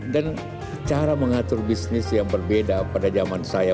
dan cara mengatur bisnis yang berbeda pada zaman saya